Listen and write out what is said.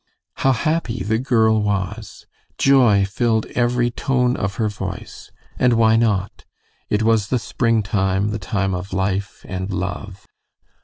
How happy the girl was! Joy filled every tone of her voice. And why not? It was the springtime, the time of life and love.